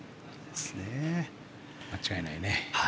間違いないね。